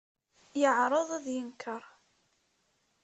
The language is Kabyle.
Yeɛreḍ ad d-yenker.